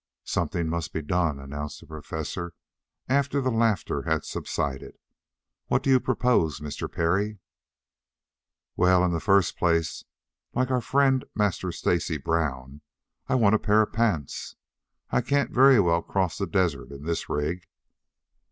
"Something must be done," announced the Professor, after the laughter had subsided. "What do you propose, Mr. Parry?" "Well, in the first place, like our friend, Master Stacy Brown, I want a pair of pants. I can't very well cross the desert in this rig."